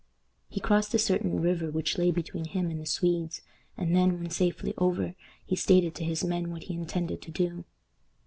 He crossed a certain river which lay between him and the Swedes, and then, when safely over, he stated to his men what he intended to do.